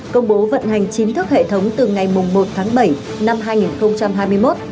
công bố vận hành chính thức hệ thống từ ngày một tháng bảy năm hai nghìn hai mươi một